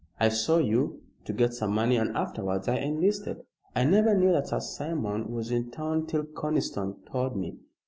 I saw you, to get some money, and afterwards I enlisted. I never knew that Sir Simon was in town till Conniston told me.